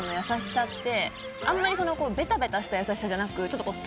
あんまりベタベタした優しさじゃなく。